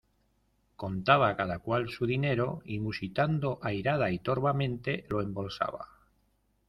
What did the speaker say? contaba cada cual su dinero, y musitando airada y torvamente lo embolsaba.